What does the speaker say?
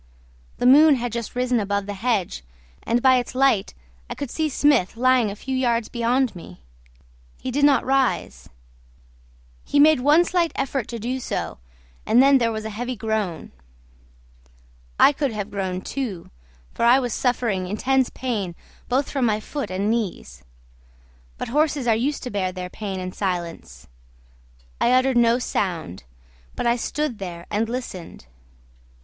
The moon had just risen above the hedge, and by its light I could see Smith lying a few yards beyond me. He did not rise; he made one slight effort to do so, and then there was a heavy groan. I could have groaned, too, for I was suffering intense pain both from my foot and knees; but horses are used to bear their pain in silence. I uttered no sound, but I stood there and listened.